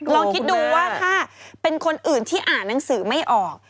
ลองคิดดูว่าถ้าเป็นคนอื่นที่อ่านหนังสือไม่ออก